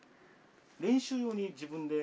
練習用に自分で？